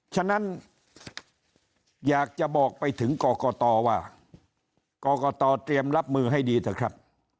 ฉะนั้นอยากจะบอกไปถึงกรกตว่ากรกตเตรียมรับมือให้ดีเถอะครับ